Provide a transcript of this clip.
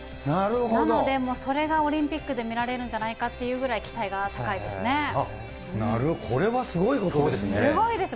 なので、それがオリンピックで見られるんじゃないかというぐらい期待が高いですね。